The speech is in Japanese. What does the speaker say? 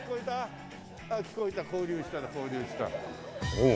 おお。